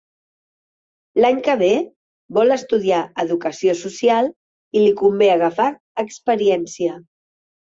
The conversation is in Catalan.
L'any que ve vol estudiar Educació Social i li convé agafar experiència.